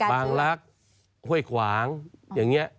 บางลักษณ์ห้วยขวางอย่างนี้